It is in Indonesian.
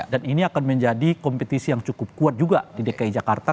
dan ini akan menjadi kompetisi yang cukup kuat juga di dki jakarta